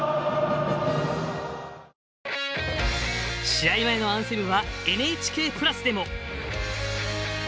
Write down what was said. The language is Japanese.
試合前のアンセムはＮＨＫプラスでも。